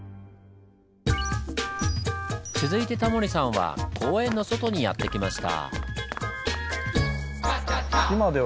続いてタモリさんは公園の外にやって来ました。